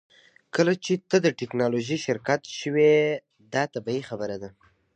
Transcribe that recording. کله چې ته د ټیکنالوژۍ شرکت شوې دا طبیعي خبره ده